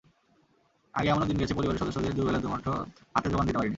আগে এমনও দিন গেছে, পরিবারের সদস্যদের দুবেলা দুমুঠো ভাতের জোগান দিতে পারিনি।